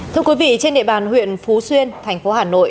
thưa quý vị trên địa bàn huyện phú xuyên thành phố hà nội